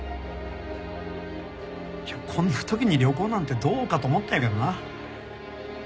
こんな時に旅行なんてどうかと思ったんやけどな。